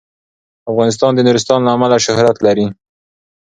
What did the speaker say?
افغانستان د نورستان له امله شهرت لري.